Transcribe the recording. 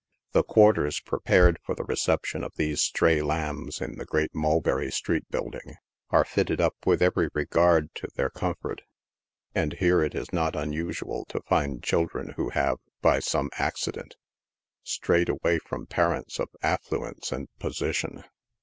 The quarters prepared for the reception of these stray lambs in the great Mul berry street building, arc fitted up with every regard to their corn fort, and here it is not unusual to find children who have, by some accident, strayed away from parents of affluence and position.